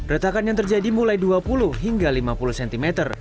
retakan yang terjadi mulai dua puluh hingga lima puluh cm